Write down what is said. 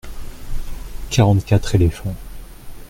Quarante-quatre éléphants.